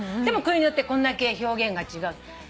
でも国によってこんだけ表現が違う。